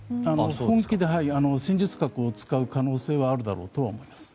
本気で戦術核を使う可能性はあるだろうとは思います。